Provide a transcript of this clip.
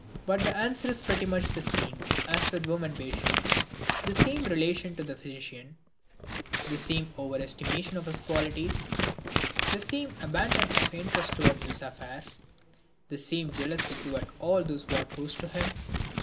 But the answer is pretty much the same as with women patients. The same relation to the physician, the same over estimation of his qualities, the same abandon of interest toward his affairs, the same jealousy toward all those who are close to him.